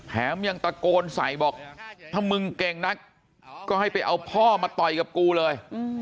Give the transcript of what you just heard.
แถมยังตะโกนใส่บอกถ้ามึงเก่งนักก็ให้ไปเอาพ่อมาต่อยกับกูเลย